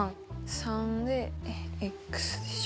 ３ででしょ。